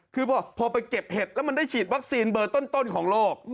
คือพอไปเก็บเห็ดแล้วมันได้ฉีดวัคซีนเบอร์ต้นของโลก